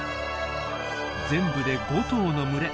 全部で５頭の群れ。